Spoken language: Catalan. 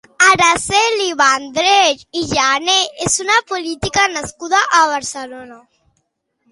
Araceli Vendrell i Gener és una política nascuda a Barcelona.